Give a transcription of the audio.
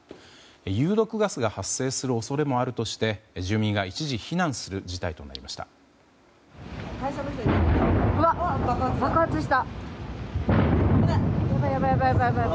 有毒ガスが発生する恐れもあるとして住民が一時避難する事態となりました。